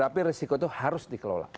tapi risiko itu harus dikelola